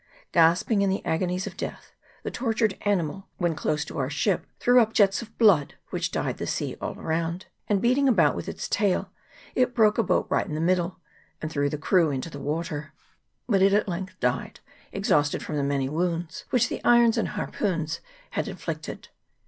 Gasping in the agonies of death, the tortured ani mal, when close to our ship, threw up jets of blood, which dyed the sea all around ; and, beating about with its tail, it broke a boat right in the middle, and threw the crew into the water; but it at length VOL. I. E 50 WHALES AND WHALERS. [PART I. died, exhausted from the many wounds which the irons and harpoons had inflicted.